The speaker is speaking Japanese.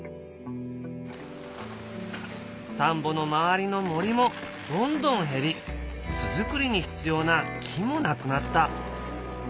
田んぼの周りの森もどんどん減り巣作りに必要な木もなくなった。